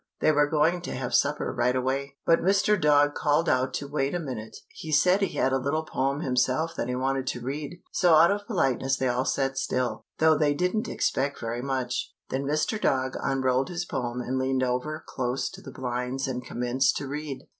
They were going to have supper right away, but Mr. Dog called out to wait a minute. He said he had a little poem himself that he wanted to read. So out of politeness they all sat still, though they didn't expect very much. Then Mr. Dog unrolled his poem and leaned over close to the blinds and commenced to read.